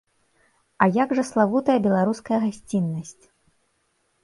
А як жа славутая беларуская гасціннасць?